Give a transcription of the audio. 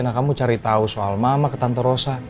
nah kamu cari tahu soal mama ke tante rosa